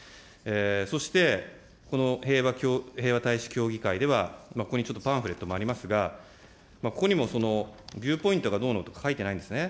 そして、この平和大使協議会では、ここにちょっとパンフレットもありますが、ここにもビューポイントがどうのとかって書いてないんですね。